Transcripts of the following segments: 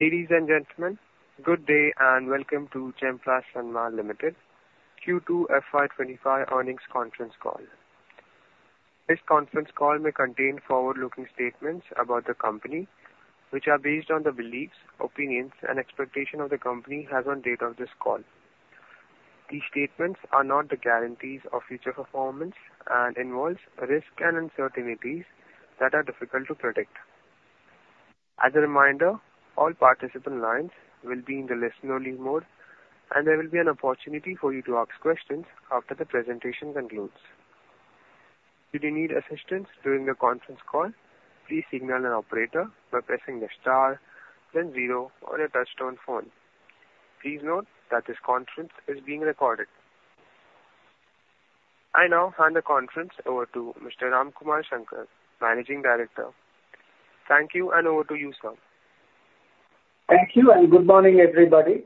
Ladies and gentlemen, good day and welcome to Chemplast Sanmar Limited Q2 FY 2025 earnings conference call. This conference call may contain forward-looking statements about the company, which are based on the beliefs, opinions, and expectations the company has on the date of this call. These statements are not the guarantees of future performance and involve risks and uncertainties that are difficult to predict. As a reminder, all participant lines will be in the listen-only mode, and there will be an opportunity for you to ask questions after the presentation concludes. If you need assistance during the conference call, please signal an operator by pressing the star, then zero, or a touch-tone phone. Please note that this conference is being recorded. I now hand the conference over to Mr. Ramkumar Shankar, Managing Director. Thank you, and over to you, sir. Thank you, and good morning, everybody.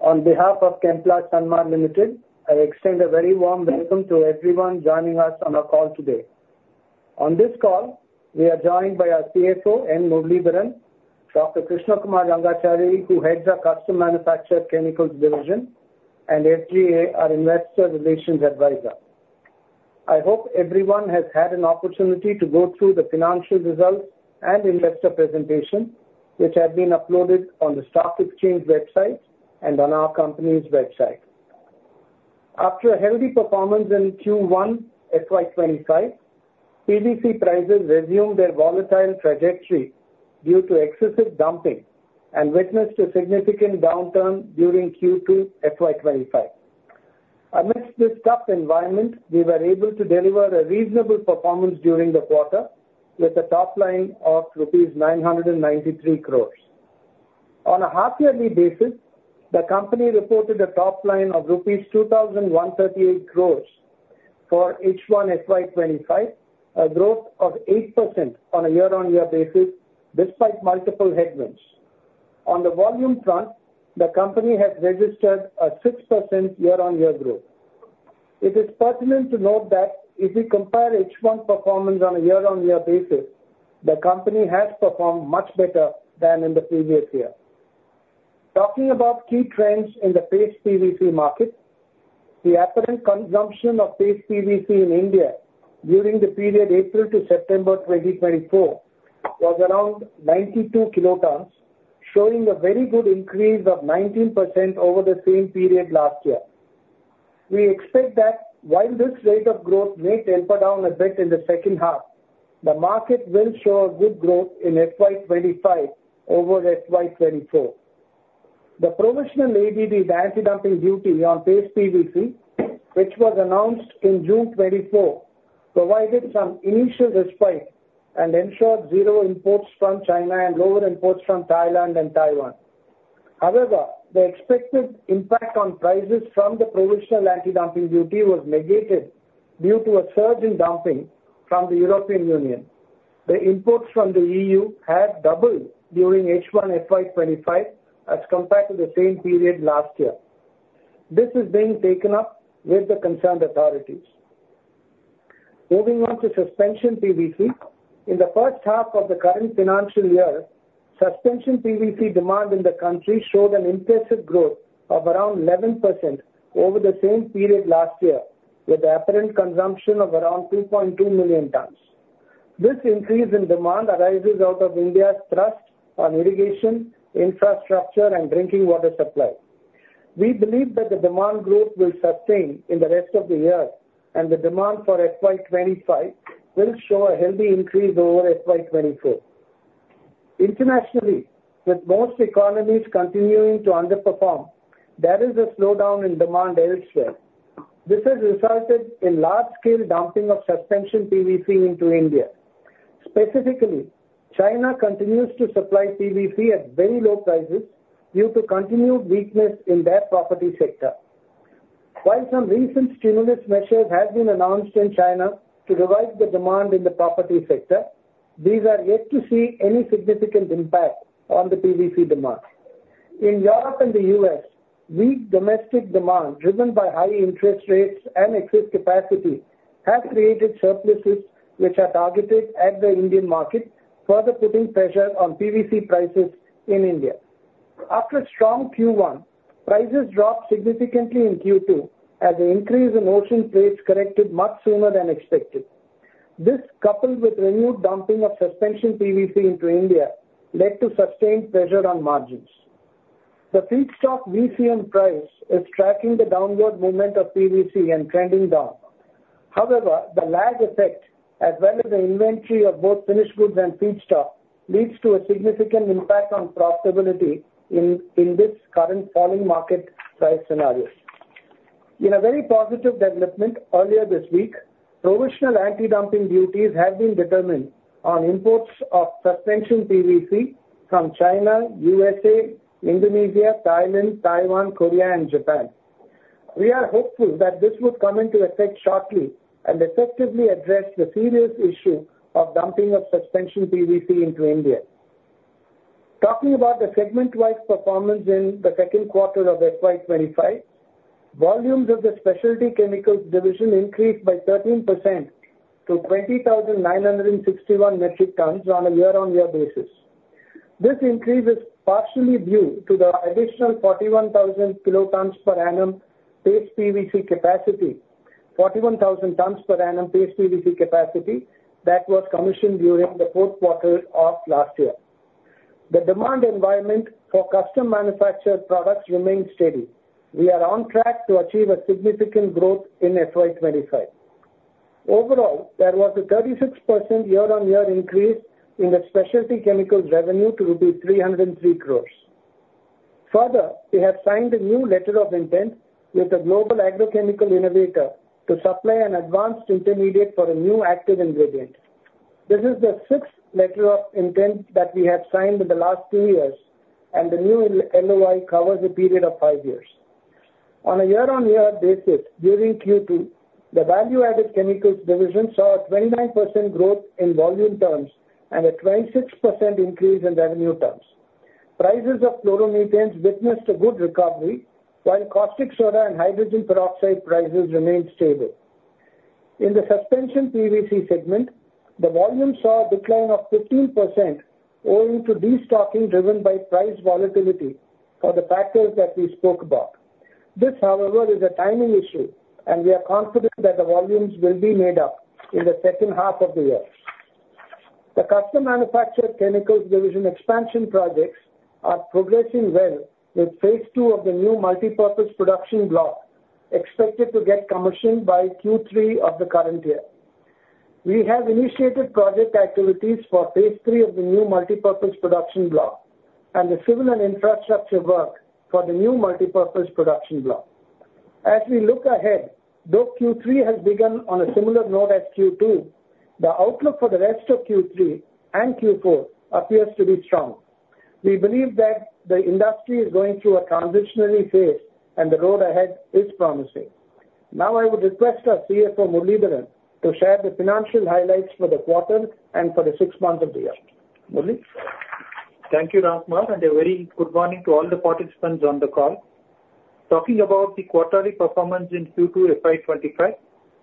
On behalf of Chemplast Sanmar Limited, I extend a very warm welcome to everyone joining us on our call today. On this call, we are joined by our CFO, Natarajan Muralidharan, Dr. Krishna Kumar Rangachari, who heads our Custom Manufactured Chemicals division, and SGA, our Investor Relations Advisor. I hope everyone has had an opportunity to go through the financial results and investor presentation, which have been uploaded on the stock exchange website and on our company's website. After a healthy performance in Q1 FY 2025, PVC prices resumed their volatile trajectory due to excessive dumping and witnessed a significant downturn during Q2 FY 2025. Amidst this tough environment, we were able to deliver a reasonable performance during the quarter, with a top line of rupees 993 crores. On a half-yearly basis, the company reported a top line of rupees 2,138 crores for H1 FY 2025, a growth of 8% on a year-on-year basis, despite multiple headwinds. On the volume front, the company has registered a 6% year-on-year growth. It is pertinent to note that if we compare H1 performance on a year-on-year basis, the company has performed much better than in the previous year. Talking about key trends in the Paste PVC market, the apparent consumption of Paste PVC in India during the period April to September 2024 was around 92 kt, showing a very good increase of 19% over the same period last year. We expect that while this rate of growth may taper down a bit in the second half, the market will show a good growth in FY 2025 over FY 2024. The provisional ADD, the anti-dumping duty on Paste PVC, which was announced in June 2024, provided some initial respite and ensured zero imports from China and lower imports from Thailand and Taiwan. However, the expected impact on prices from the provisional anti-dumping duty was negated due to a surge in dumping from the European Union. The imports from the EU have doubled during H1 FY 2025 as compared to the same period last year. This is being taken up with the concerned authorities. Moving on to Suspension PVC, in the first half of the current financial year, Suspension PVC demand in the country showed an impressive growth of around 11% over the same period last year, with the apparent consumption of around 2.2 million tons. This increase in demand arises out of India's thrust on irrigation, infrastructure, and drinking water supply. We believe that the demand growth will sustain in the rest of the year, and the demand for FY 2025 will show a healthy increase over FY 2024. Internationally, with most economies continuing to underperform, there is a slowdown in demand elsewhere. This has resulted in large-scale dumping of Suspension PVC into India. Specifically, China continues to supply PVC at very low prices due to continued weakness in their property sector. While some recent stimulus measures have been announced in China to revive the demand in the property sector, these are yet to see any significant impact on the PVC demand. In Europe and the US, weak domestic demand driven by high interest rates and excess capacity has created surpluses which are targeted at the Indian market, further putting pressure on PVC prices in India. After a strong Q1, prices dropped significantly in Q2 as the increase in ocean freight corrected much sooner than expected. This, coupled with renewed dumping of Suspension PVC into India, led to sustained pressure on margins. The feedstock VCM price is tracking the downward movement of PVC and trending down. However, the lag effect, as well as the inventory of both finished goods and feedstock, leads to a significant impact on profitability in this current falling market price scenario. In a very positive development earlier this week, provisional anti-dumping duties have been determined on imports of Suspension PVC from China, USA, Indonesia, Thailand, Taiwan, Korea, and Japan. We are hopeful that this would come into effect shortly and effectively address the serious issue of dumping of Suspension PVC into India. Talking about the segment-wise performance in the second quarter of FY 2025, volumes of the Specialty Chemicals division increased by 13% to 20,961 metric tons on a year-on-year basis. This increase is partially due to the additional 41,000 tons per annum Paste PVC capacity that was commissioned during the fourth quarter of last year. The demand environment for custom manufactured products remains steady. We are on track to achieve a significant growth in FY 2025. Overall, there was a 36% year-on-year increase in the Specialty Chemicals revenue to rupees 303 crores. Further, we have signed a new letter of intent with the global agrochemical innovator to supply an advanced intermediate for a new active ingredient. This is the sixth letter of intent that we have signed in the last two years, and the new LOI covers a period of five years. On a year-on-year basis during Q2, the Value Added Chemicals division saw a 29% growth in volume terms and a 26% increase in revenue terms. Prices of chloromethanes witnessed a good recovery, while caustic soda and hydrogen peroxide prices remained stable. In the Suspension PVC segment, the volume saw a decline of 15% owing to destocking driven by price volatility for the factors that we spoke about. This, however, is a timing issue, and we are confident that the volumes will be made up in the second half of the year. The Custom manufactured chemicals division expansion projects are progressing well with phase II of the new multipurpose production block expected to get commissioned by Q3 of the current year. We have initiated project activities for phase III of the new multipurpose production block and the civil and infrastructure work for the new multipurpose production block. As we look ahead, though Q3 has begun on a similar note as Q2, the outlook for the rest of Q3 and Q4 appears to be strong. We believe that the industry is going through a transitionary phase, and the road ahead is promising. Now, I would request our CFO, Muralidharan, to share the financial highlights for the quarter and for the six months of the year. Muralidharan. Thank you, Ramkumar, and a very good morning to all the participants on the call. Talking about the quarterly performance in Q2 FY 2025,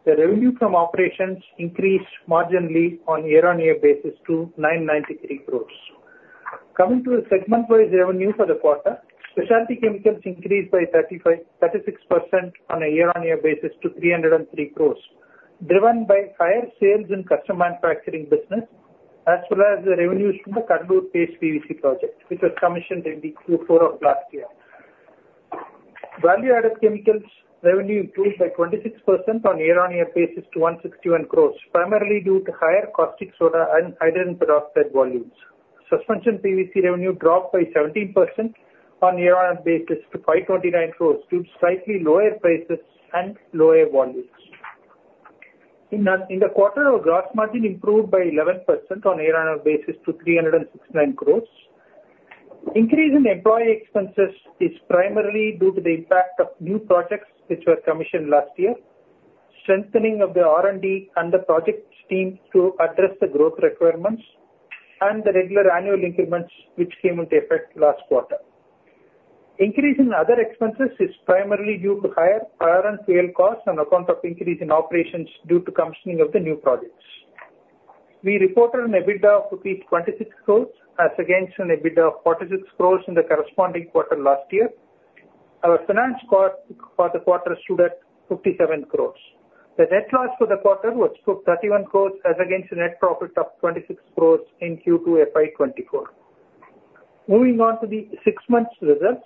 the revenue from operations increased marginally on a year-on-year basis to 993 crores. Coming to the segment-wise revenue for the quarter, Specialty Chemicals increased by 36% on a year-on-year basis to 303 crores, driven by higher sales in custom manufacturing business as well as the revenues from the Cuddalore Paste PVC project, which was commissioned in the Q4 of last year. Value Added Chemicals revenue improved by 26% on a year-on-year basis to 161 crores, primarily due to higher caustic soda and hydrogen peroxide volumes. Suspension PVC revenue dropped by 17% on a year-on-year basis to 529 crores due to slightly lower prices and lower volumes. In the quarter, gross margin improved by 11% on a year-on-year basis to 369 crores. Increase in employee expenses is primarily due to the impact of new projects which were commissioned last year, strengthening of the R&D and the project team to address the growth requirements, and the regular annual increments which came into effect last quarter. Increase in other expenses is primarily due to higher R&D costs on account of increase in operations due to commissioning of the new projects. We reported an EBITDA of rupees 26 crores as against an EBITDA of 46 crores in the corresponding quarter last year. Our finance cost for the quarter stood at 57 crores. The net loss for the quarter was 31 crores as against a net profit of 26 crores in Q2 FY 2024. Moving on to the six months' results,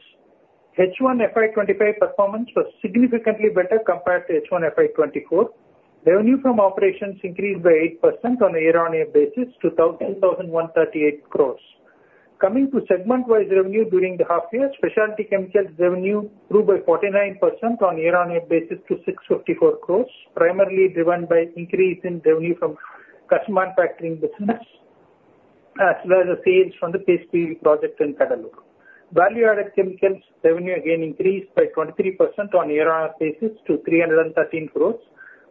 H1 FY 2025 performance was significantly better compared to H1 FY 2024. Revenue from operations increased by 8% on a year-on-year basis to 2,138 crores. Coming to segment-wise revenue during the half year, Specialty Chemicals revenue grew by 49% on a year-on-year basis to 654 crores, primarily driven by increase in revenue from custom manufacturing business as well as sales from the Paste PVC project in Cuddalore. Value Added Chemicals revenue again increased by 23% on a year-on-year basis to 313 crores,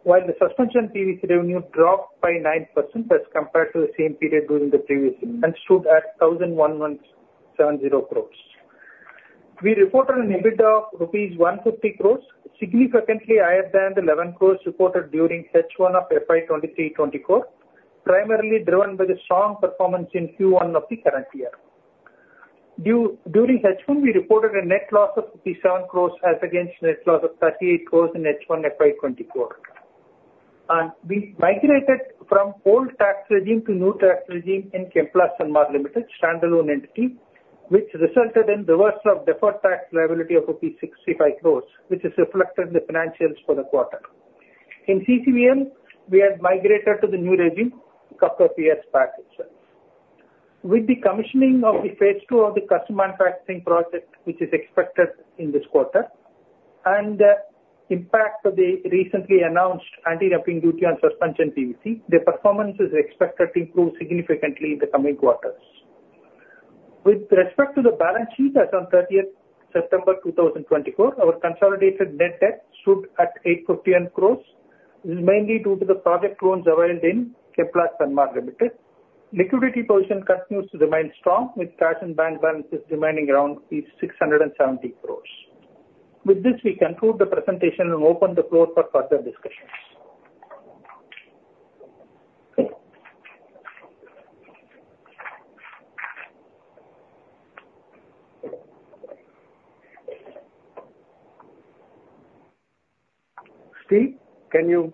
while the Suspension PVC revenue dropped by 9% as compared to the same period during the previous year and stood at 1,170 crores. We reported an EBITDA of rupees 150 crores, significantly higher than the 11 crores reported during H1 of FY 2024, primarily driven by the strong performance in Q1 of the current year. During H1, we reported a net loss of 57 crores as against a net loss of 38 crores in H1 FY 2024. We migrated from old tax regime to new tax regime in Chemplast Sanmar Limited, standalone entity, which resulted in reversal of deferred tax liability of rupees 65 crores, which is reflected in the financials for the quarter. In CCVL, we had migrated to the new regime. Couple of years back itself. With the commissioning of the phase II of the custom manufacturing project, which is expected in this quarter, and the impact of the recently announced anti-dumping duty on Suspension PVC, the performance is expected to improve significantly in the coming quarters. With respect to the balance sheet as of 30th September 2024, our consolidated net debt stood at 851 crores, mainly due to the project loans availed in Chemplast Sanmar Limited. Liquidity position continues to remain strong, with cash and bank balances remaining around 670 crores. With this, we conclude the presentation and open the floor for further discussions. Steve, can you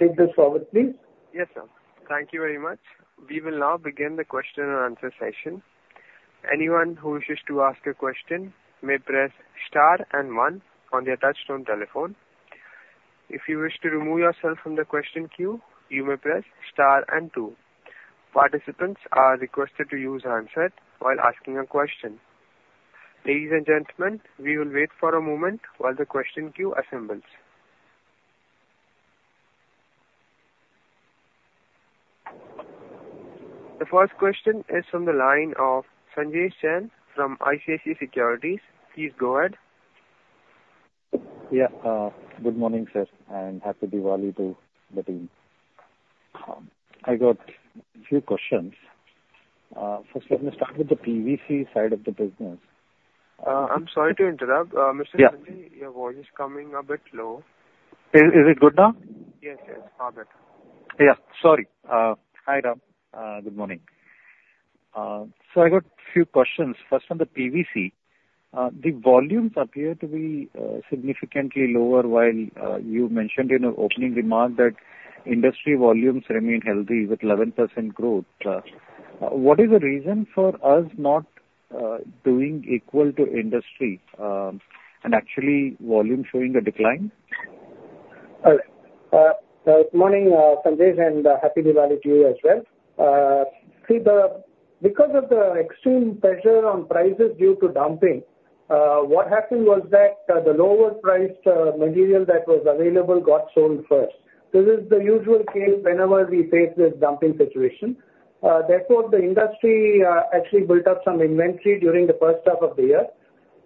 take this forward, please? Yes, sir. Thank you very much. We will now begin the question and answer session. Anyone who wishes to ask a question may press star and one on their touch-tone telephone. If you wish to remove yourself from the question queue, you may press star and two. Participants are requested to use handset while asking a question. Ladies and gentlemen, we will wait for a moment while the question queue assembles. The first question is from the line of Sanjesh Jain from ICICI Securities. Please go ahead. Yeah, good morning, sir, and happy Diwali to the team. I got a few questions. First, let me start with the PVC side of the business. I'm sorry to interrupt. Mr. Sanjesh, your voice is coming a bit low. Is it good now? Yes, yes. Now better. Yeah, sorry. Hi, Ram. Good morning. So I got a few questions. First, on the PVC, the volumes appear to be significantly lower, while you mentioned in your opening remark that industry volumes remain healthy with 11% growth. What is the reason for us not doing equal to industry and actually volume showing a decline? Good morning, Sanjay, and happy Diwali to you as well. Because of the extreme pressure on prices due to dumping, what happened was that the lower-priced material that was available got sold first. This is the usual case whenever we face this dumping situation. Therefore, the industry actually built up some inventory during the first half of the year.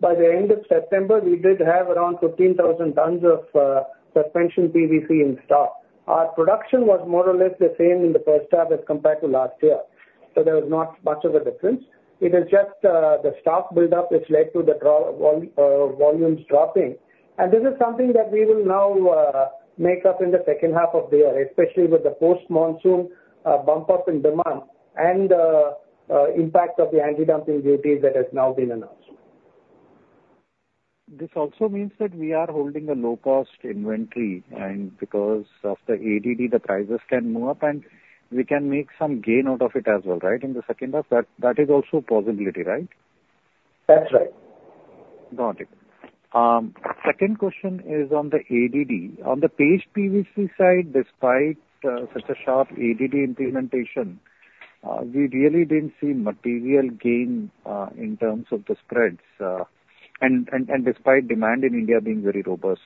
By the end of September, we did have around 15,000 tons of Suspension PVC in stock. Our production was more or less the same in the first half as compared to last year, so there was not much of a difference. It is just the stock buildup has led to the volumes dropping, and this is something that we will now make up in the second half of the year, especially with the post-monsoon bump up in demand and the impact of the anti-dumping duties that has now been announced. This also means that we are holding a low-cost inventory, and because of the ADD, the prices can move up, and we can make some gain out of it as well, right, in the second half? That is also a possibility, right? That's right. Got it. Second question is on the ADD. On the Paste PVC side, despite such a sharp ADD implementation, we really didn't see material gain in terms of the spreads, and despite demand in India being very robust.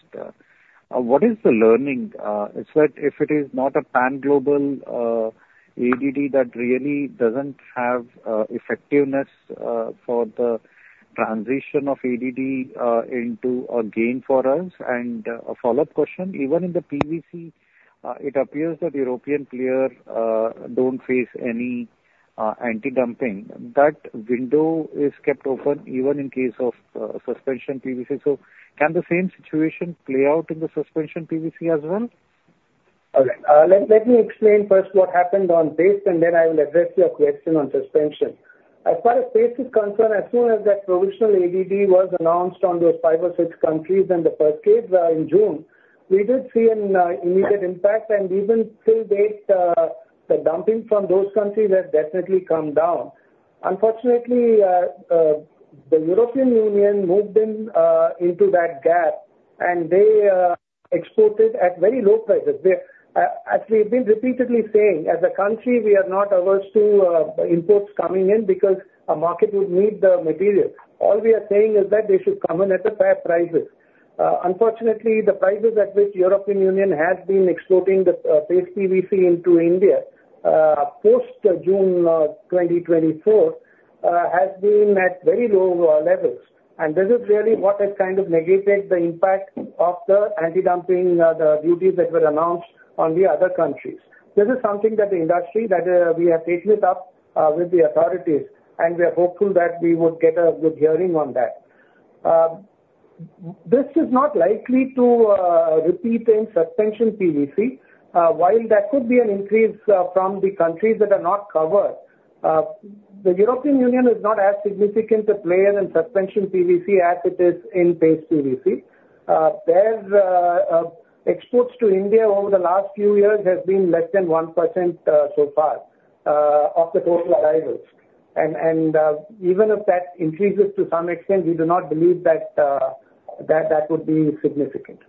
What is the learning? It's that if it is not a pan-global ADD that really doesn't have effectiveness for the transition of ADD into a gain for us. And a follow-up question, even in the PVC, it appears that European players don't face any anti-dumping. That window is kept open even in case of Suspension PVC. So can the same situation play out in the Suspension PVC as well? Okay. Let me explain first what happened on Paste PVC, and then I will address your question on Suspension PVC. As far as Paste PVC is concerned, as soon as that provisional ADD was announced on those five or six countries in the first quarter in June, we did see an immediate impact, and even till date, the dumping from those countries has definitely come down. Unfortunately, the European Union moved into that gap, and they exported at very low prices. As we've been repeatedly saying, as a country, we are not averse to imports coming in because a market would need the material. All we are saying is that they should come in at the fair prices. Unfortunately, the prices at which the European Union has been exporting the Paste PVC into India post-June 2024 have been at very low levels, and this is really what has kind of negated the impact of the anti-dumping duties that were announced on the other countries. This is something that the industry that we have taken it up with the authorities, and we are hopeful that we would get a good hearing on that. This is not likely to repeat in Suspension PVC, while there could be an increase from the countries that are not covered. The European Union is not as significant a player in Suspension PVC as it is in Paste PVC. Their exports to India over the last few years have been less than 1% so far of the total arrivals. Even if that increases to some extent, we do not believe that that would be significant.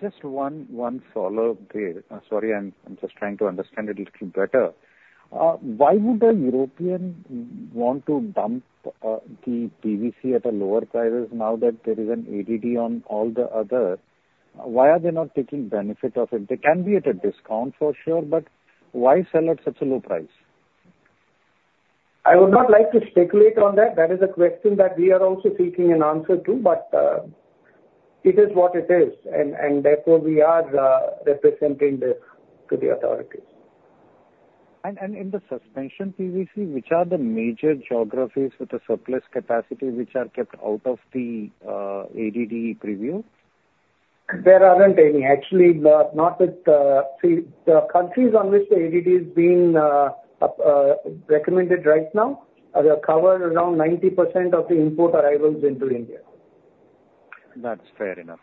Just one follow-up there. Sorry, I'm just trying to understand it a little better. Why would a European want to dump the PVC at a lower price now that there is an ADD on all the other? Why are they not taking benefit of it? They can be at a discount, for sure, but why sell at such a low price? I would not like to speculate on that. That is a question that we are also seeking an answer to, but it is what it is, and therefore we are representing this to the authorities. In the Suspension PVC, which are the major geographies with the surplus capacity which are kept out of the ADD purview? There aren't any. Actually, not with the countries on which the ADD is being recommended right now, they're covered around 90% of the import arrivals into India. That's fair enough.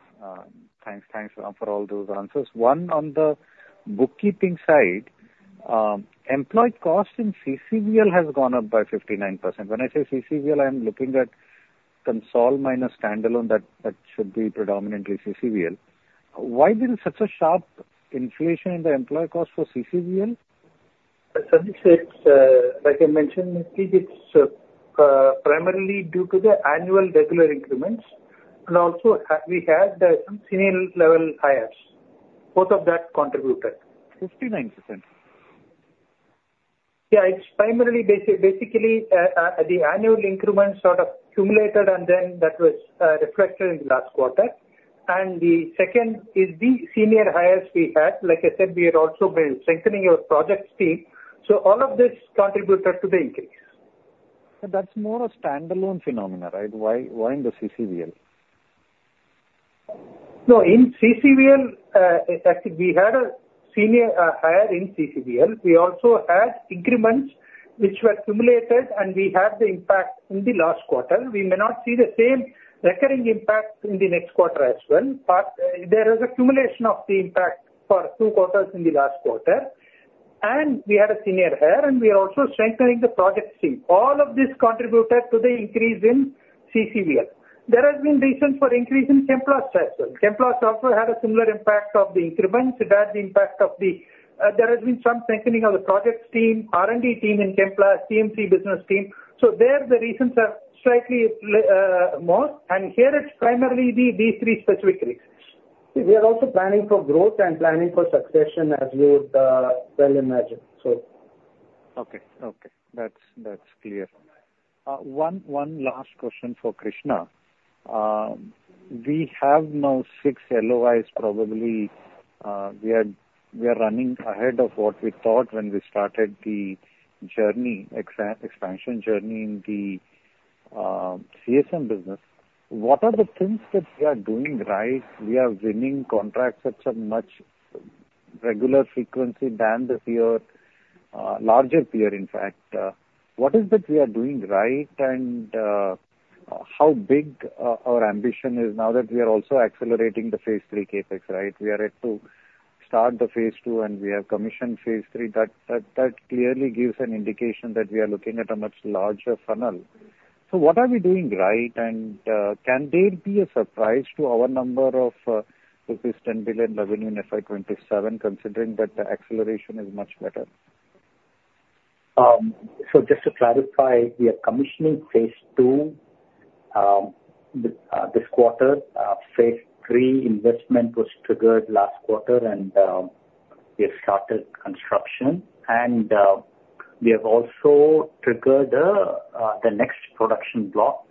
Thanks for all those answers. One, on the bookkeeping side, employee cost in CCVL has gone up by 59%. When I say CCVL, I'm looking at consolidated minus standalone that should be predominantly CCVL. Why did such a sharp inflation in the employee cost for CCVL? Like I mentioned, I think it's primarily due to the annual regular increments, and also we had some senior-level hires. Both of that contributed. 59%? Yeah, it's primarily basically the annual increments sort of accumulated, and then that was reflected in the last quarter, and the second is the senior hires we had. Like I said, we had also been strengthening our project team, so all of this contributed to the increase. That's more a standalone phenomenon, right? Why in the CCVL? No, in CCVL, we had a senior hire in CCVL. We also had increments which were accumulated, and we had the impact in the last quarter. We may not see the same recurring impact in the next quarter as well, but there is accumulation of the impact for two quarters in the last quarter, and we had a senior hire, and we are also strengthening the project team. All of this contributed to the increase in CCVL. There has been reason for increase in Chemplast as well. Chemplast also had a similar impact of the increments. There has been some strengthening of the project team, R&D team in Chemplast, CMC business team, so there, the reasons are slightly more, and here it's primarily these three specific reasons. We are also planning for growth and planning for succession, as you would well imagine, so. Okay, okay. That's clear. One last question for Krishna. We have now six LOIs, probably. We are running ahead of what we thought when we started the expansion journey in the CSM business. What are the things that we are doing right? We are winning contracts at such much regular frequency than the peer, larger peer, in fact. What is it that we are doing right, and how big our ambition is now that we are also accelerating the phase III CapEx, right? We are ready to start the phase II, and we have commissioned phase III. That clearly gives an indication that we are looking at a much larger funnel. So what are we doing right, and can there be a surprise to our number of rupees 10 billion crore revenue in FY 2027, considering that the acceleration is much better? Just to clarify, we are commissioning phase II this quarter. Phase III investment was triggered last quarter, and we have started construction. And we have also triggered the next production block,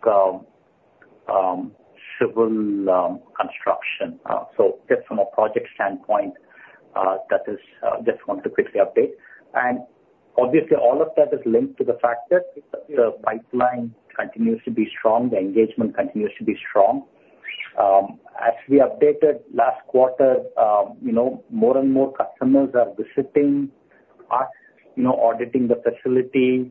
civil construction. So from a project standpoint, that is just want to quickly update. And obviously, all of that is linked to the fact that the pipeline continues to be strong, the engagement continues to be strong. As we updated last quarter, more and more customers are visiting us, auditing the facility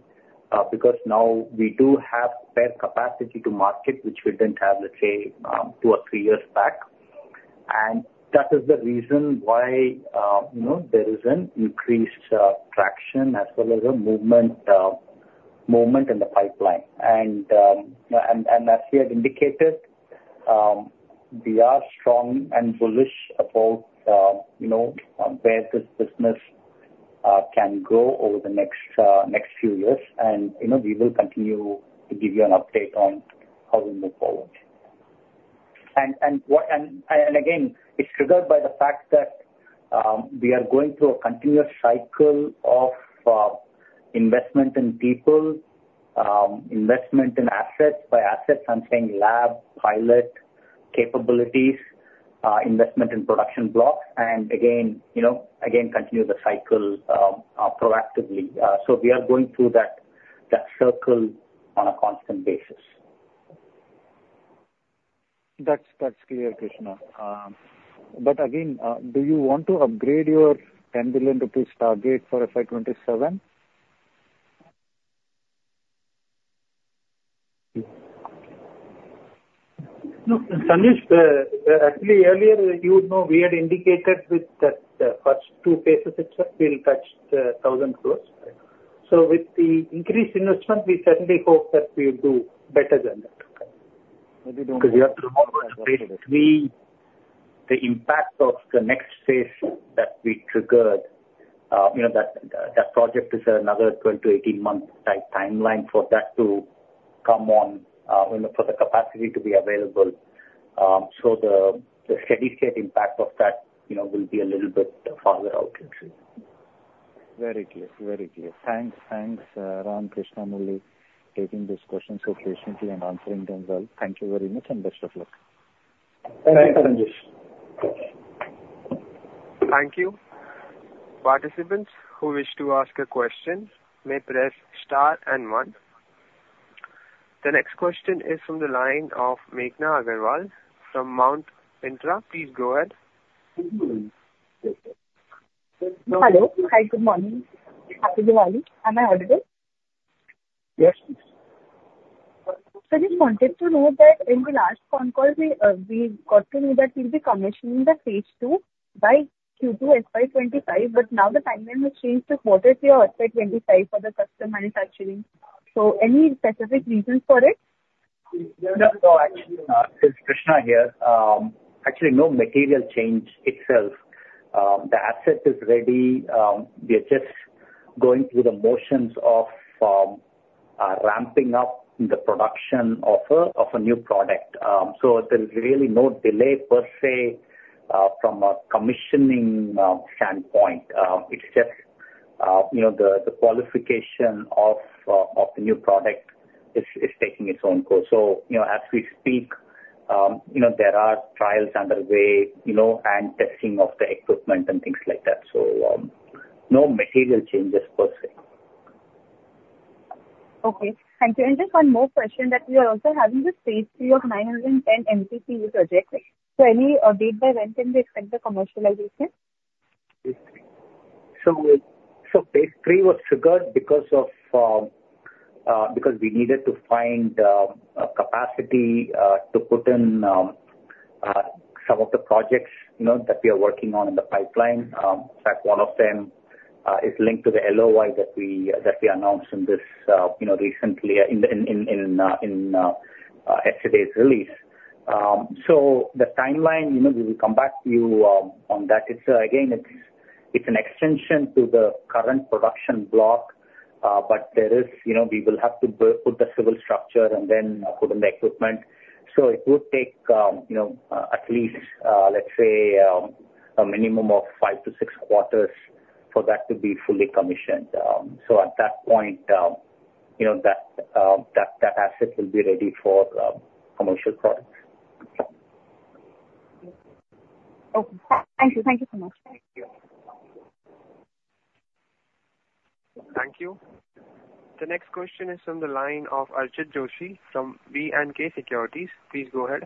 because now we do have better capacity to market, which we didn't have, let's say, two or three years back. And that is the reason why there is an increased traction as well as a movement in the pipeline. And as we had indicated, we are strong and bullish about where this business can go over the next few years, and we will continue to give you an update on how we move forward. And again, it's triggered by the fact that we are going through a continuous cycle of investment in people, investment in assets, by assets, I'm saying lab, pilot, capabilities, investment in production blocks, and again, continue the cycle proactively. So we are going through that cycle on a constant basis. That's clear, Krishna. But again, do you want to upgrade your 10 billion rupees target for FY 2027? No, Sanjesh, actually, earlier, you would know we had indicated with that first two phases itself, we'll touch the thousand crores. So with the increased investment, we certainly hope that we'll do better than that. Maybe don't want to touch the phase III. The impact of the next phase that we triggered, that project is another 12-18-month timeline for that to come on, for the capacity to be available. So the steady state impact of that will be a little bit farther out, actually. Very clear. Very clear. Thanks, Ram, Krishna Kumar, taking these questions so patiently and answering them well. Thank you very much, and best of luck. Thank you, Sanjesh. Thank you. Participants who wish to ask a question may press star and one. The next question is from the line of Meghna Agarwal from Mount Intra Finance. Please go ahead. Hello. Hi, good morning. Happy Diwali. Am I audible? Yes, please. I just wanted to note that in the last phone call, we got to know that we'll be commissioning the phase II by Q2 FY 2025, but now the timeline has changed to quarter three of FY 2025 for the custom manufacturing. Any specific reasons for it? No, actually, Krishna here. Actually, no material change itself. The asset is ready. We are just going through the motions of ramping up the production of a new product. So there is really no delay per se from a commissioning standpoint. It's just the qualification of the new product is taking its own course. So as we speak, there are trials underway and testing of the equipment and things like that. So no material changes per se. Okay. Thank you and just one more question that we are also having the phase III of 910 MTPA project, so any update by when can we expect the commissioning? Phase III was triggered because we needed to find capacity to put in some of the projects that we are working on in the pipeline. In fact, one of them is linked to the LOI that we announced recently in yesterday's release. The timeline, we will come back to you on that. Again, it's an extension to the current production block, but we will have to put the civil structure and then put in the equipment. It would take at least, let's say, a minimum of five to six quarters for that to be fully commissioned. At that point, that asset will be ready for commercial products. Okay. Thank you. Thank you so much. Thank you. The next question is from the line of Archit Joshi from B&K Securities. Please go ahead.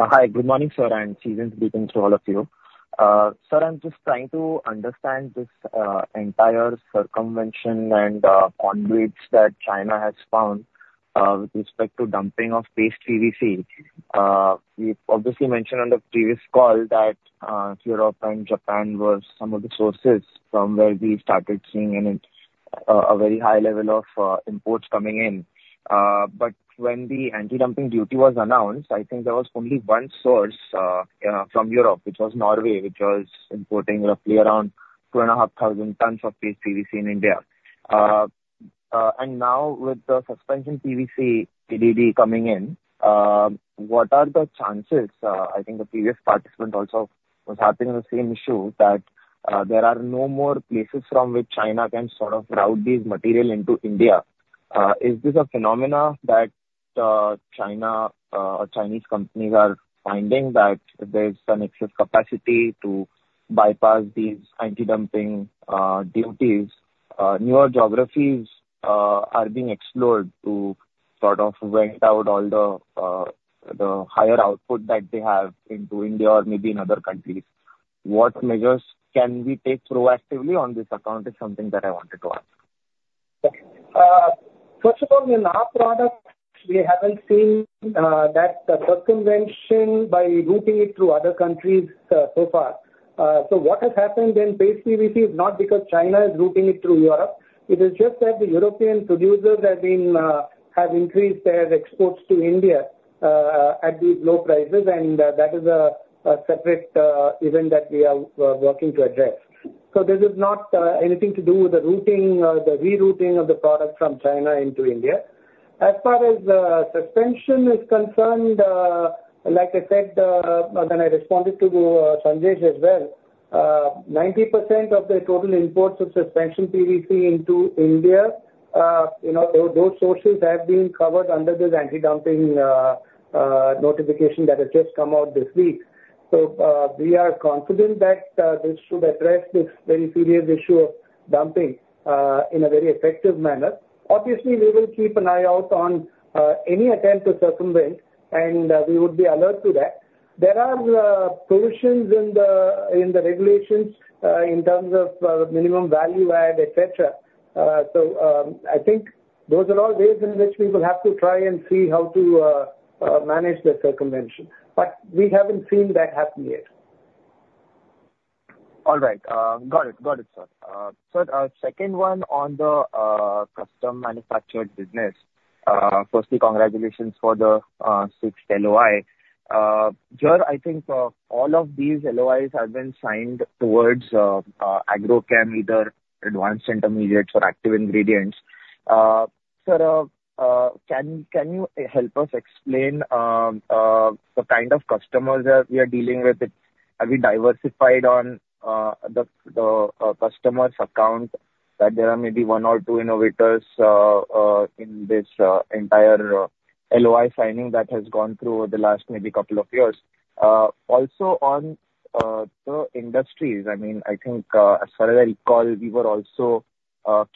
Hi, good morning, sir, and see you in the meeting to all of you. Sir, I'm just trying to understand this entire circumvention and conduits that China has found with respect to dumping of Paste PVC. We obviously mentioned on the previous call that Europe and Japan were some of the sources from where we started seeing a very high level of imports coming in. But when the anti-dumping duty was announced, I think there was only one source from Europe, which was Norway, which was importing roughly around 2,500 tons of Paste PVC in India. And now with the Suspension PVC ADD coming in, what are the chances? I think the previous participant also was having the same issue that there are no more places from which China can sort of route these materials into India. Is this a phenomenon that China or Chinese companies are finding that there's an excess capacity to bypass these anti-dumping duties? Newer geographies are being explored to sort of vent out all the higher output that they have into India or maybe in other countries. What measures can we take proactively on this account is something that I wanted to ask. First of all, in our product, we haven't seen that circumvention by routing it through other countries so far. So what has happened in Paste PVC is not because China is routing it through Europe. It is just that the European producers have increased their exports to India at these low prices, and that is a separate event that we are working to address. So this is not anything to do with the routing or the rerouting of the product from China into India. As far as Suspension PVC is concerned, like I said, when I responded to Sanjesh as well, 90% of the total imports of Suspension PVC into India, those sources have been covered under this anti-dumping notification that has just come out this week. So we are confident that this should address this very serious issue of dumping in a very effective manner. Obviously, we will keep an eye out on any attempt to circumvent, and we would be alert to that. There are provisions in the regulations in terms of minimum value add, etc. So I think those are all ways in which we will have to try and see how to manage the circumvention. But we haven't seen that happen yet. All right. Got it. Got it, sir. Sir, a second one on the custom manufactured business. Firstly, congratulations for the sixth LOI. Sir, I think all of these LOIs have been signed towards Agrochem, either advanced intermediates or active ingredients. Sir, can you help us explain the kind of customers that we are dealing with? Have we diversified on the customer's account that there are maybe one or two innovators in this entire LOI signing that has gone through over the last maybe couple of years? Also on the industries, I mean, I think as far as I recall, we were also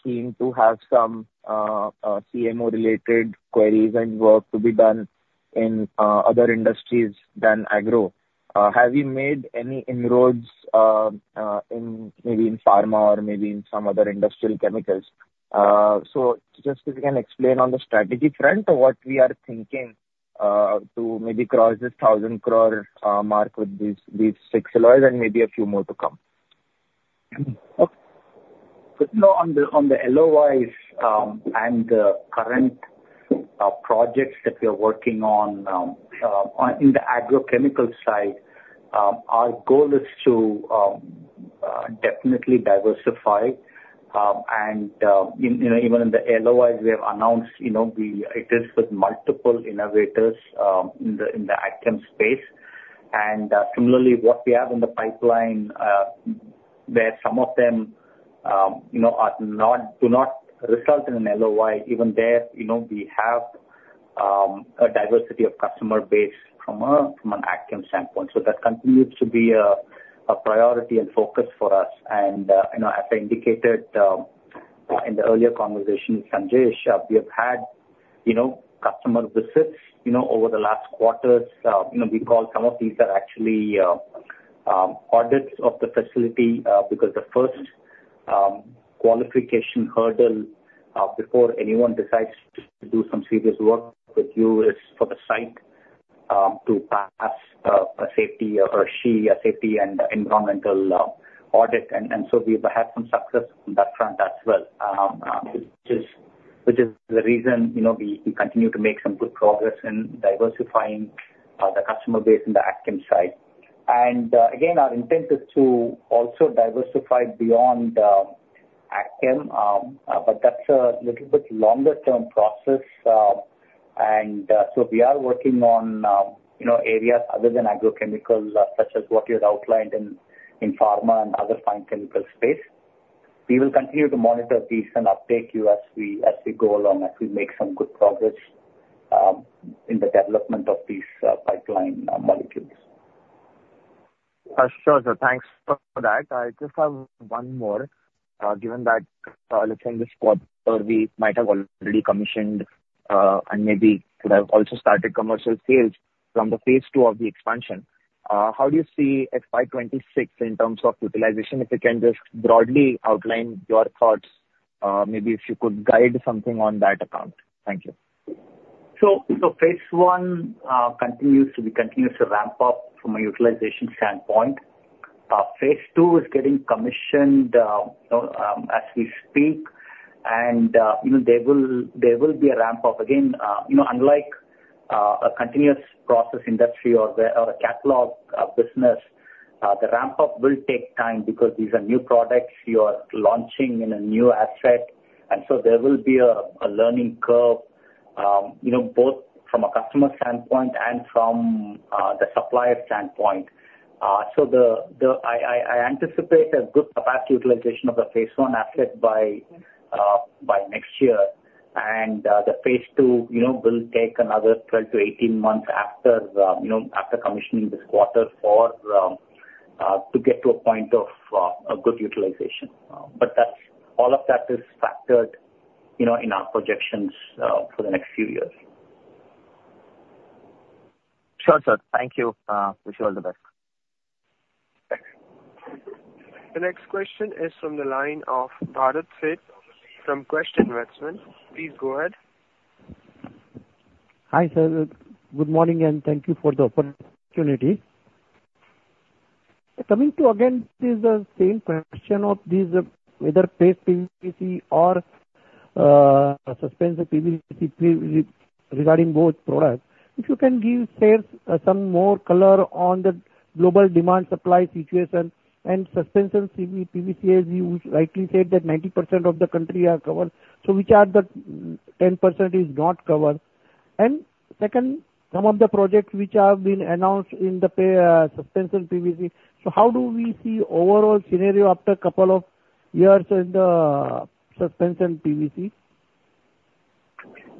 keen to have some CMO-related queries and work to be done in other industries than agro. Have we made any inroads maybe in pharma or maybe in some other industrial chemicals? Just if you can explain on the strategy front what we are thinking to maybe cross this thousand crore mark with these six LOIs and maybe a few more to come? Okay. On the LOIs and the current projects that we are working on in the agrochemical side, our goal is to definitely diversify. And even in the LOIs, we have announced it is with multiple innovators in the AgChem space. And similarly, what we have in the pipeline, where some of them do not result in an LOI, even there, we have a diversity of customer base from an AgChem standpoint. So that continues to be a priority and focus for us. And as I indicated in the earlier conversation with Sanjesh, we have had customer visits over the last quarters. We call some of these are actually audits of the facility because the first qualification hurdle before anyone decides to do some serious work with you is for the site to pass a safety or a SHE, a safety and environmental audit. And so we have had some success on that front as well, which is the reason we continue to make some good progress in diversifying the customer base in the AgChem side. And again, our intent is to also diversify beyond AgChem, but that's a little bit longer-term process. And so we are working on areas other than agrochemical, such as what you had outlined in pharma and other fine chemical space. We will continue to monitor these and update you as we go along, as we make some good progress in the development of these pipeline molecules. Sure, sir. Thanks for that. I just have one more. Given that, let's say, in this quarter, we might have already commissioned and maybe could have also started commercial sales from the phase II of the expansion. How do you see FY 2026 in terms of utilization? If you can just broadly outline your thoughts, maybe if you could guide something on that account. Thank you. Phase I continues to ramp up from a utilization standpoint. Phase II is getting commissioned as we speak, and there will be a ramp-up. Again, unlike a continuous process industry or a Cuddalore business, the ramp-up will take time because these are new products you are launching in a new asset. And so there will be a learning curve both from a customer standpoint and from the supplier standpoint. So I anticipate a good capacity utilization of the Phase I asset by next year. And the Phase II will take another 12 months-18 months after commissioning this quarter to get to a point of good utilization. But all of that is factored in our projections for the next few years. Sure, sir. Thank you. Wish you all the best. Thanks. The next question is from the line of Bharat Sheth from Quest Investment Advisors. Please go ahead. Hi, fellows. Good morning, and thank you for the opportunity. Coming to again, this is the same question of either Paste PVC or Suspension PVC regarding both products. If you can give us some more color on the global demand supply situation and Suspension PVC, as you rightly said, that 90% of the country are covered. So which are the 10% is not covered? And second, some of the projects which have been announced in the Suspension PVC. So how do we see overall scenario after a couple of years in the Suspension PVC?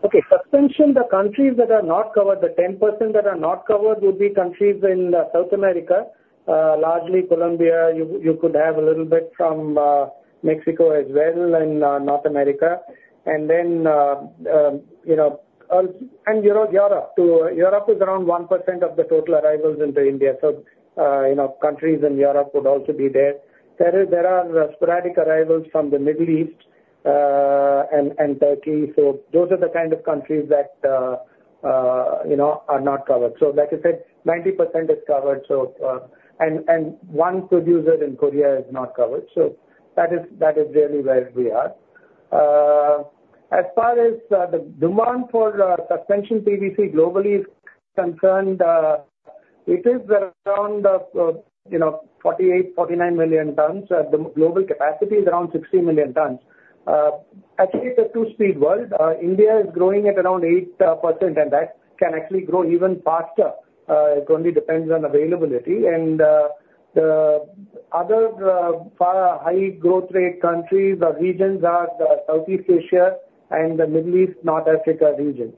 Okay. Suspension, the countries that are not covered, the 10% that are not covered would be countries in South America, largely Colombia. You could have a little bit from Mexico as well and North America, and then Europe to Europe is around 1% of the total arrivals into India, so countries in Europe would also be there. There are sporadic arrivals from the Middle East and Turkey, so those are the kind of countries that are not covered, so like I said, 90% is covered, and one producer in Korea is not covered. So that is really where we are. As far as the demand for Suspension PVC globally is concerned, it is around 48 million-49 million tons. The global capacity is around 60 million tons. Actually, it's a two-speed world. India is growing at around 8%, and that can actually grow even faster. It only depends on availability. And the other high growth rate countries or regions are Southeast Asia and the Middle East, North Africa region.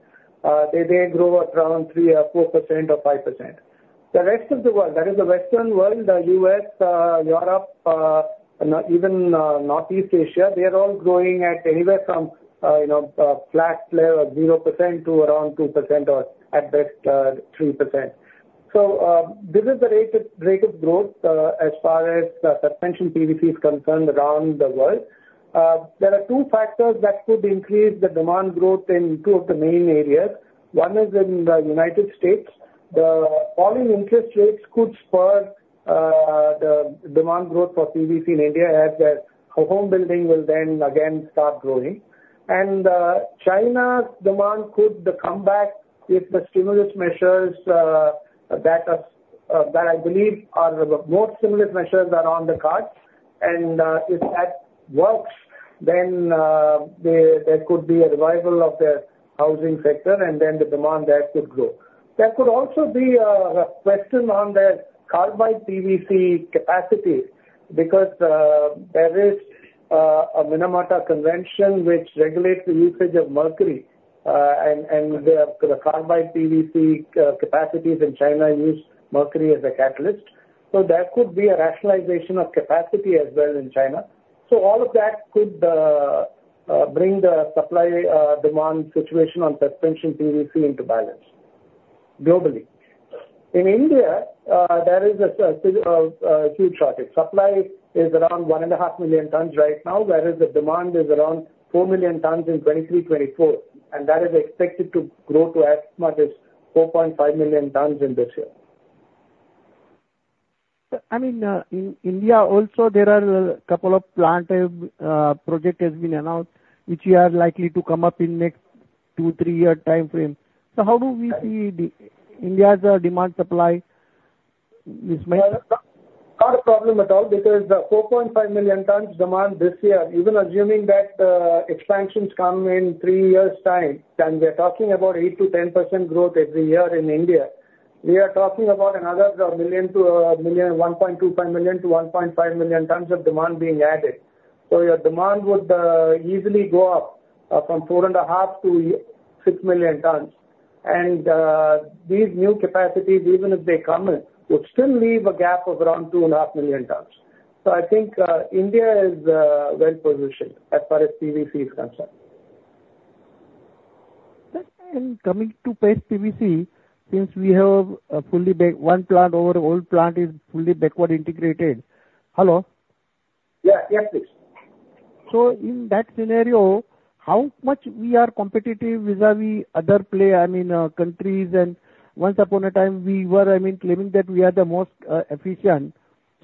They grow at around 3%, 4% or 5%. The rest of the world, that is the Western world, the US, Europe, even Northeast Asia, they are all growing at anywhere from flat 0% to around 2% or at best 3%. So this is the rate of growth as far as Suspension PVC is concerned around the world. There are two factors that could increase the demand growth in two of the main areas. One is in the United States. The falling interest rates could spur the demand growth for PVC in India as their home building will then again start growing. And China's demand could come back with the stimulus measures that I believe are the most stimulus measures that are on the cards. If that works, then there could be a revival of the housing sector, and then the demand there could grow. There could also be a question on the carbide PVC capacity because there is a Minamata Convention which regulates the usage of mercury. The carbide PVC capacities in China use mercury as a catalyst. There could be a rationalization of capacity as well in China. All of that could bring the supply demand situation on Suspension PVC into balance globally. In India, there is a huge shortage. Supply is around 1.5 million tons right now, whereas the demand is around 4 million tons in 2023, 2024. That is expected to grow to as much as 4.5 million tons in this year. I mean, in India also, there are a couple of plant projects that have been announced, which are likely to come up in the next two- to three-year time frame. So how do we see India's demand supply? Not a problem at all because the 4.5 million tons demand this year, even assuming that expansions come in three years' time, and we are talking about 8%-10% growth every year in India, we are talking about another 1.25 million-1.5 million tons of demand being added, so your demand would easily go up from 4.5 million-6 million tons, and these new capacities, even if they come in, would still leave a gap of around 2.5 million tons, so I think India is well-positioned as far as PVC is concerned. Coming to Paste PVC, since we have a fully backward integrated plant, our old plant is fully backward integrated. Hello? Yeah. Yes, please. So in that scenario, how much we are competitive vis-à-vis other players, I mean, countries? And once upon a time, we were, I mean, claiming that we are the most efficient.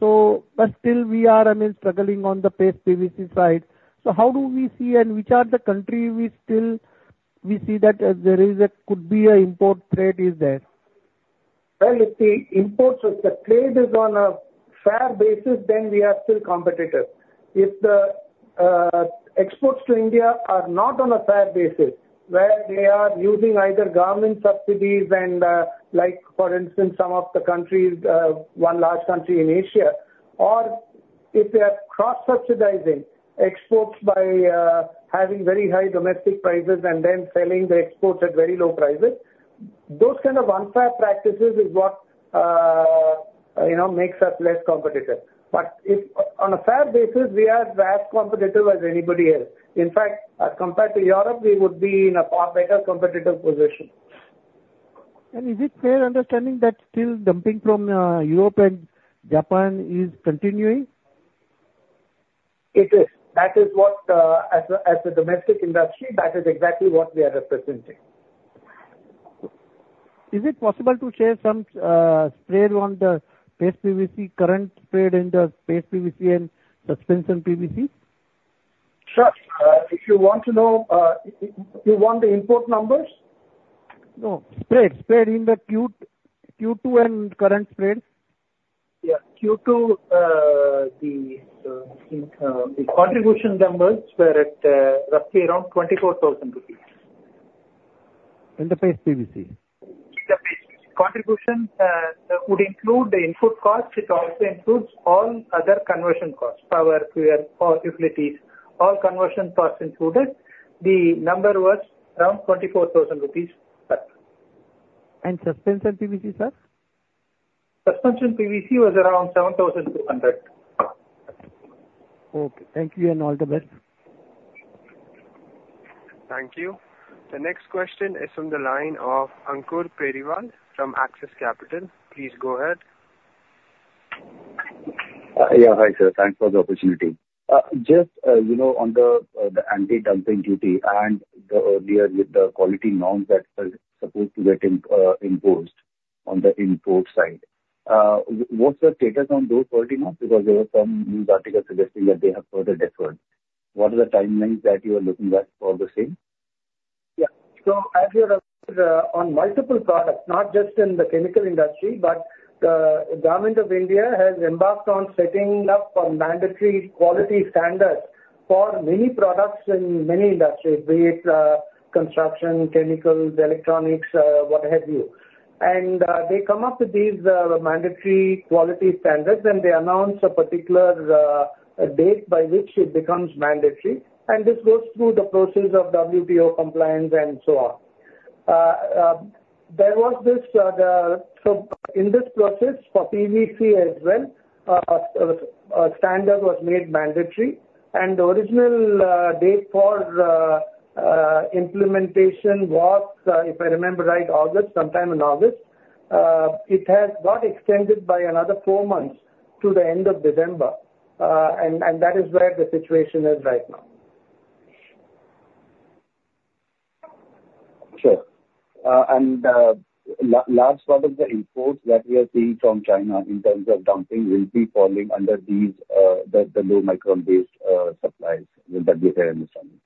But still, we are, I mean, struggling on the Paste PVC side. So how do we see, and which are the countries we see that there could be an import threat is there? If the imports, if the trade is on a fair basis, then we are still competitive. If the exports to India are not on a fair basis, where they are using either government subsidies, and like for instance, some of the countries, one large country in Asia, or if they are cross-subsidizing exports by having very high domestic prices and then selling the exports at very low prices, those kind of unfair practices is what makes us less competitive. But on a fair basis, we are as competitive as anybody else. In fact, as compared to Europe, we would be in a far better competitive position. Is it fair understanding that still dumping from Europe and Japan is continuing? It is. That is what, as a domestic industry, that is exactly what we are representing. Is it possible to share some spread on the Paste PVC current spread and the Paste PVC and Suspension PVC? Sure. If you want to know, you want the input numbers? No spread. Spread in the Q2 and current spread? Yeah. Q2, the contribution numbers were roughly around 24,000 crore rupees. And the Paste PVC? The Paste contribution would include the input cost. It also includes all other conversion costs, power, fuel, utilities, all conversion costs included. The number was around 24,000 crore rupees. And Suspension PVC, sir? Suspension PVC was around 7,200 crore. Okay. Thank you and all the best. Thank you. The next question is from the line of Ankur Periwal from Axis Capital. Please go ahead. Yeah. Hi, sir. Thanks for the opportunity. Just on the anti-dumping duty and the earlier quality norms that were supposed to get imposed on the input side, what's the status on those quality norms? Because there were some news articles suggesting that they have further deferred. What are the timelines that you are looking at for the same? Yeah. So as you're on multiple products, not just in the chemical industry, but the government of India has embarked on setting up mandatory quality standards for many products in many industries, be it construction, chemicals, electronics, what have you. And they come up with these mandatory quality standards, and they announce a particular date by which it becomes mandatory. And this goes through the process of WTO compliance and so on. So in this process for PVC as well, a standard was made mandatory. And the original date for implementation was, if I remember right, August, sometime in August. It has got extended by another four months to the end of December. And that is where the situation is right now. Sure, and large part of the inputs that we are seeing from China in terms of dumping will be falling under the low-micron-based supplies. Will that be fair understanding?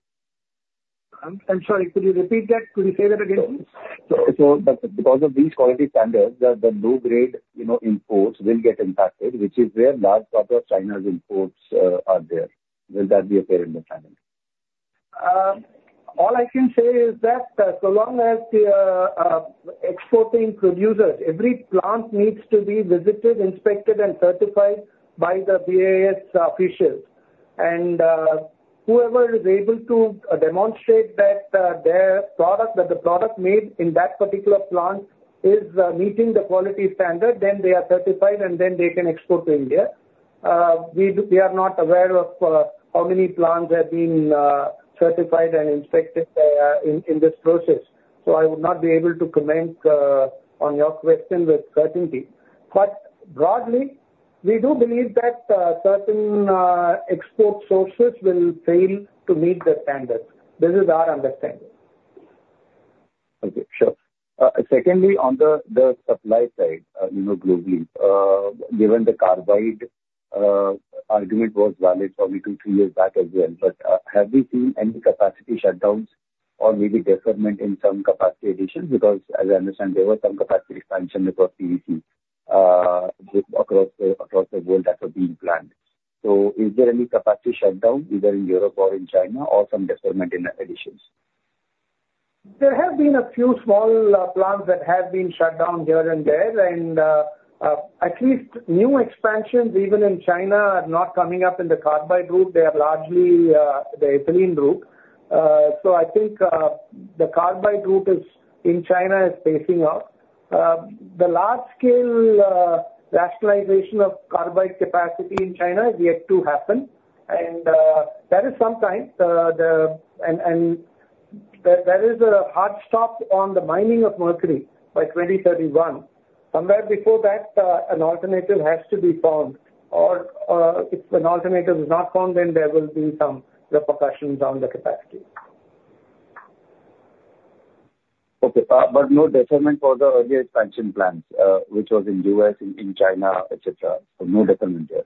I'm sorry. Could you repeat that? Could you say that again? So because of these quality standards, the low-grade inputs will get impacted, which is where large part of China's inputs are there. Will that be a fair understanding? All I can say is that so long as the exporting producers, every plant needs to be visited, inspected, and certified by the BIS officials. And whoever is able to demonstrate that the product made in that particular plant is meeting the quality standard, then they are certified, and then they can export to India. We are not aware of how many plants have been certified and inspected in this process. So I would not be able to comment on your question with certainty. But broadly, we do believe that certain export sources will fail to meet the standards. This is our understanding. Okay. Sure. Secondly, on the supply side globally, given the carbide argument was valid probably two, three years back as well, but have we seen any capacity shutdowns or maybe deferment in some capacity additions? Because as I understand, there were some capacity expansion across PVC, across the world that were being planned. So is there any capacity shutdown either in Europe or in China or some deferment in additions? There have been a few small plants that have been shut down here and there. And at least new expansions, even in China, are not coming up in the carbide route. They are largely the ethylene route. So I think the carbide route in China is phasing out. The large-scale rationalization of carbide capacity in China is yet to happen. And that is sometimes the and there is a hard stop on the mining of mercury by 2031. Somewhere before that, an alternative has to be found. Or if an alternative is not found, then there will be some repercussions on the capacity. Okay. But no deferment for the earlier expansion plans, which was in the U.S., in China, etc. So no deferment there?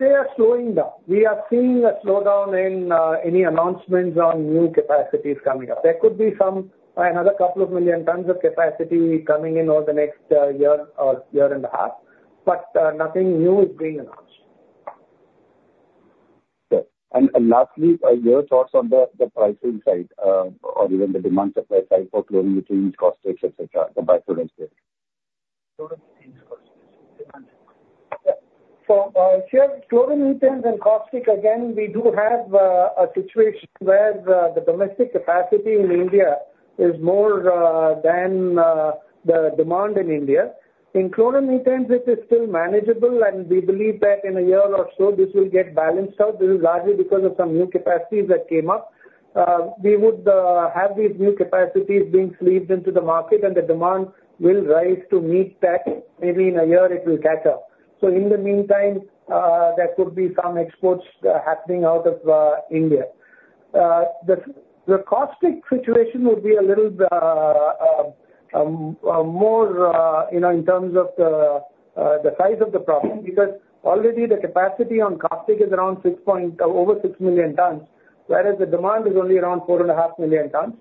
They are slowing down. We are seeing a slowdown in any announcements on new capacities coming up. There could be another couple of million tons of capacity coming in over the next year or year and a half, but nothing new is being announced. Sure, and lastly, your thoughts on the pricing side or even the demand-supply side for chlorine, utility costs, etc., compared to recent? So here's chlorine utility and caustic. Again, we do have a situation where the domestic capacity in India is more than the demand in India. In chlorine utilities, it is still manageable, and we believe that in a year or so, this will get balanced out. This is largely because of some new capacities that came up. We would have these new capacities being sleeved into the market, and the demand will rise to meet that. Maybe in a year, it will catch up. So in the meantime, there could be some exports happening out of India. The caustic situation would be a little more in terms of the size of the problem because already the capacity on caustic is around over 6 million tons, whereas the demand is only around 4.5 million tons.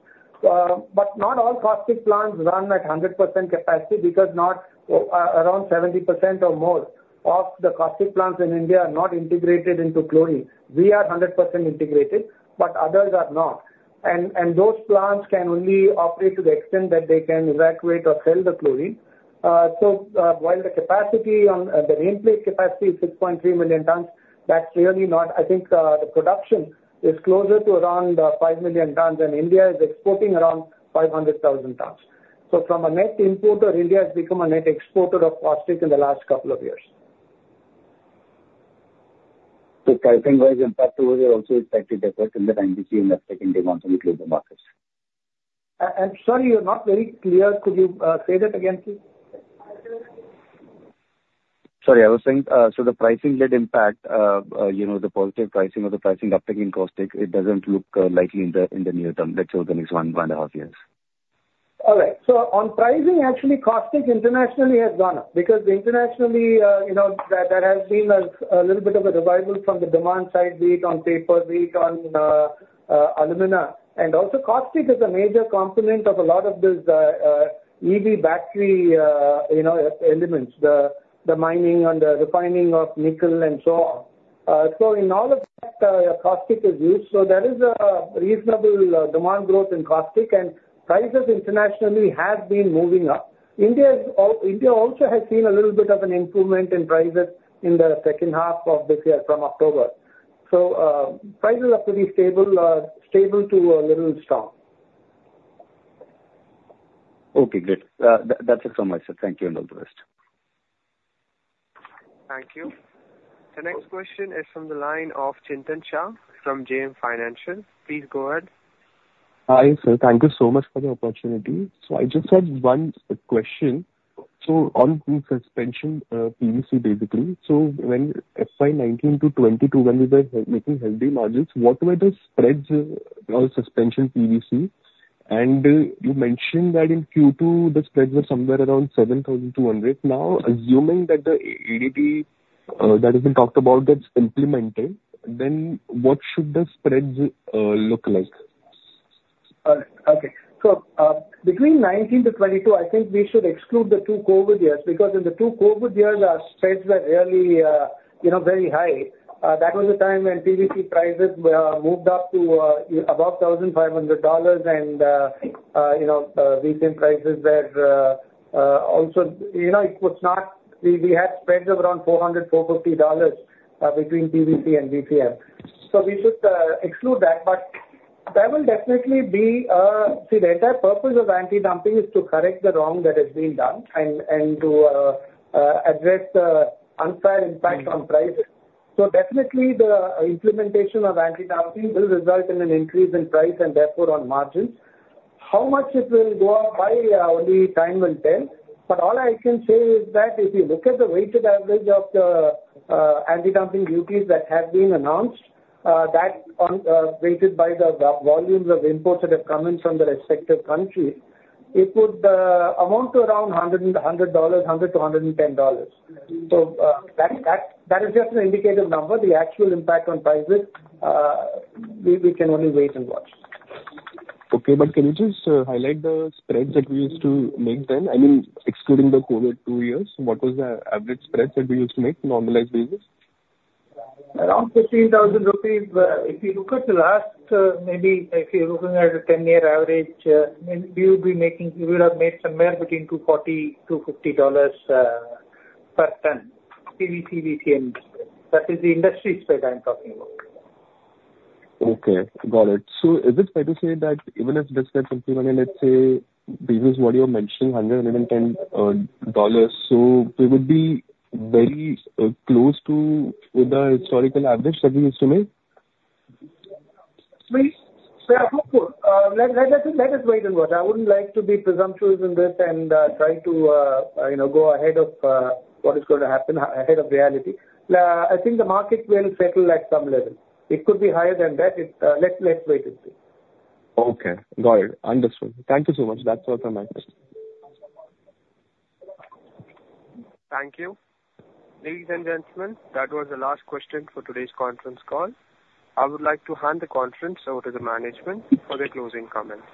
But not all caustic plants run at 100% capacity because around 70% or more of the caustic plants in India are not integrated into chlorine. We are 100% integrated, but others are not. And those plants can only operate to the extent that they can evacuate or sell the chlorine. So while the capacity on the nameplate capacity is 6.3 million tons, that's really not. I think the production is closer to around 5 million tons, and India is exporting around 500,000 tons. So from a net importer, India has become a net exporter of caustic in the last couple of years. So pricing-wise, in fact, we were also expected to defer in the time between the second demand to include the markets. I'm sorry, you're not very clear. Could you say that again, please? Sorry. I was saying, so the pricing-led impact, the positive pricing or the pricing uptake in caustic, it doesn't look likely in the near term. Let's say within the next one and a half years. All right. So on pricing, actually, caustic internationally has gone up because internationally, there has been a little bit of a revival from the demand side, be it on paper, be it on alumina, and also, caustic is a major component of a lot of these EV battery elements, the mining and the refining of nickel and so on, so in all of that, caustic is used, so there is a reasonable demand growth in caustic, and prices internationally have been moving up. India also has seen a little bit of an improvement in prices in the second half of this year from October. So prices are pretty stable, stable to a little strong. Okay. Great. That's it from my side. Thank you and all the best. Thank you. The next question is from the line of Chintan Shah from JM Financial. Please go ahead. Hi, sir. Thank you so much for the opportunity. So I just had one question. So on the Suspension PVC, basically, so when FY 2019 to 2022, when we were making healthy margins, what were the spreads on Suspension PVC? And you mentioned that in Q2, the spreads were somewhere around 7,200. Now, assuming that the ADD that has been talked about gets implemented, then what should the spreads look like? Okay. So between 2019 to 2022, I think we should exclude the two COVID years because in the two COVID years, our spreads were really very high. That was the time when PVC prices moved up to above $1,500, and VCM prices were also low. We had spreads of around $400-$450 between PVC and VCM. So we should exclude that. But that will definitely be seen, the entire purpose of anti-dumping is to correct the wrong that has been done and to address the unfair impact on prices. So definitely, the implementation of anti-dumping will result in an increase in price and therefore on margins. How much it will go up by, only time will tell? But all I can say is that if you look at the weighted average of the anti-dumping duties that have been announced, that weighted by the volumes of inputs that have come in from the respective countries, it would amount to around $100 to $110. So that is just an indicative number. The actual impact on prices, we can only wait and watch. Okay. But can you just highlight the spreads that we used to make then? I mean, excluding the COVID two years, what was the average spreads that we used to make normalized basis? Around 15,000 rupees. If you look at the last, maybe if you're looking at a 10-year average, we would be making we would have made somewhere between $240-$250 per ton PVC-VCM. That is the industry spread I'm talking about. Okay. Got it. So is it fair to say that even if this spreads increased, let's say, basis what you're mentioning, $110, so we would be very close to the historical average that we used to make? Let's wait and watch. I wouldn't like to be presumptuous in this and try to go ahead of what is going to happen, ahead of reality. I think the market will settle at some level. It could be higher than that. Let's wait and see. Okay. Got it. Understood. Thank you so much. That's all from my side. Thank you. Ladies and gentlemen, that was the last question for today's conference call. I would like to hand the conference over to the management for their closing comments.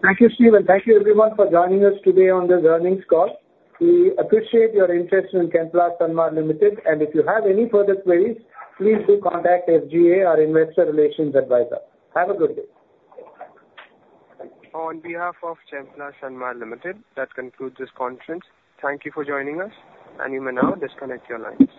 Thank you, Steve. Thank you, everyone, for joining us today on this earnings call. We appreciate your interest in Chemplast Sanmar Limited. And if you have any further queries, please do contact SGA, our investor relations advisor. Have a good day. On behalf of Chemplast Sanmar Limited, that concludes this conference. Thank you for joining us. You may now disconnect your lines.